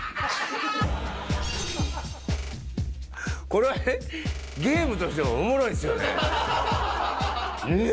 これは、ゲームとしてはおもろいっすよね。